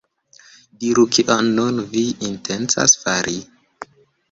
Diru, kion nun vi intencas fari?